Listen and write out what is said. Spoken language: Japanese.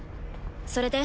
それで？